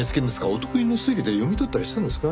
お得意の推理で読み取ったりしたんですか？